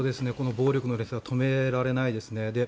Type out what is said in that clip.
暴力の連鎖は止められないですね。